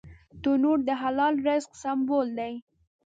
تنور د حلال رزق سمبول دی